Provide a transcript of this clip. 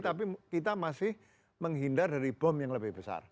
tapi sudah terjadi hal hal yang menghindar dari bom yang lebih besar